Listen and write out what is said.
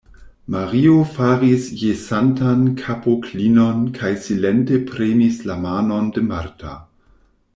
Mario faris jesantan kapoklinon kaj silente premis la manon de Marta.